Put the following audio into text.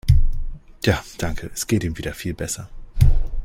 Ja danke, es geht ihm wieder viel besser.